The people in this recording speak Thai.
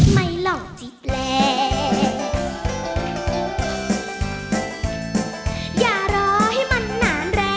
มีค่ะ